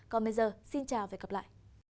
còn bây giờ xin chào và hẹn gặp lại